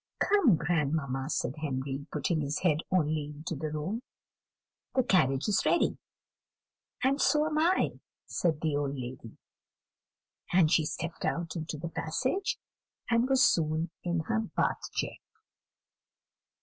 "Come, grandmamma," said Henry, putting his head only into the room, "the carriage is ready." "And so am I," said the old lady, and she stepped out into the passage, and was soon in her Bath chair.